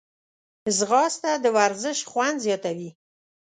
ځغاسته د ورزش خوند زیاتوي